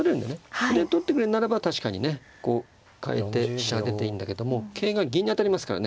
歩で取ってくれるんならば確かにねこう換えて飛車が出ていいんだけども桂が銀に当たりますからね